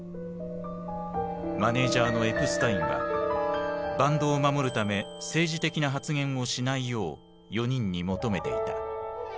マネージャーのエプスタインはバンドを守るため政治的な発言をしないよう４人に求めていた。